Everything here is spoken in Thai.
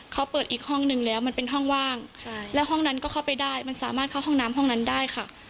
เขาเปิดอีกห้องนึงแล้วมันเป็นห้องว่างแล้วห้องนั้นก็เข้าไปได้มันสามารถเข้าห้องน้ำห้องนั้นได้ค่ะ